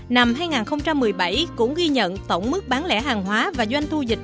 năm hai nghìn một mươi bảy cũng ghi nhận tổng mức bán lẻ hàng hóa và doanh thu dịch